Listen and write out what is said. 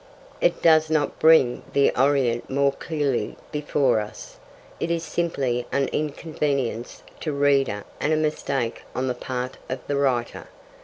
It does not bring the Orient more clearly before us. It is simply an inconvenience to the reader and a mistake on the part of the writer.